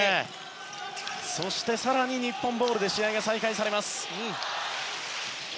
そして更に日本ボールで試合が再開。